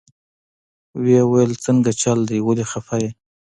ويې ويل سنګه چل دې ولې خفه يې.